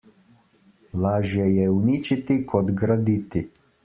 Lažje je uničiti kot graditi.